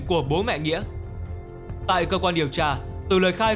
của bố mẹ nghĩa tại cơ quan điều tra từ lời khai